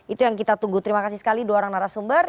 itu yang kita tunggu terima kasih sekali dua orang narasumber